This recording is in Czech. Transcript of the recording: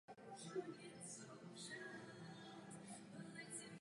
Politický pat provázený rostoucí nenávistí vyústil ve čtyři zbytečná úmrtí.